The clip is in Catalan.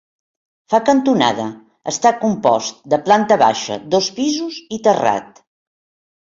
Fa cantonada, està compost de planta baixa, dos pisos i terrat.